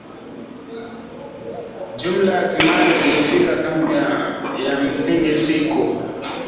jumla hatimaye tulifika kambi ya msingi siku